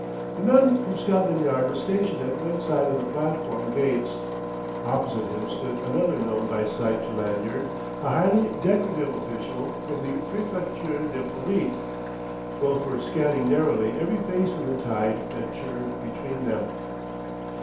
The man from Scotland Yard was stationed at one side of the platform gates. Opposite him stood another known by sight to Lanyard a highly decorative official from the Préfecture de Police. Both were scanning narrowly every face in the tide that churned between them.